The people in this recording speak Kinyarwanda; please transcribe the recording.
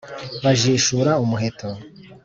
Bajishura umuheto,